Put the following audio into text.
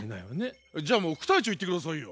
じゃあもう副隊長行って下さいよ。